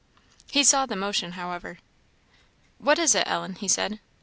He saw the motion, however. "What is it, Ellen?" he said.